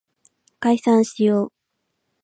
解散しよう